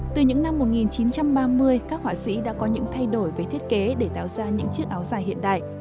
từ những năm một nghìn chín trăm ba mươi các họa sĩ đã có những thay đổi về thiết kế để tạo ra những chiếc áo dài hiện đại